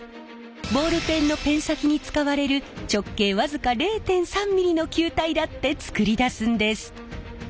ボールペンのペン先に使われる直径僅か０．３ｍｍの球体だって作り出すんです！